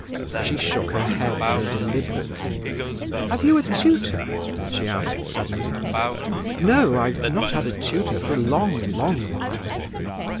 She shook her head very deliberately. "Have you a tutor?" she asked suddenly. "No; I've not had a tutor for a long, long while."